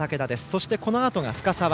そしてこのあとが深沢。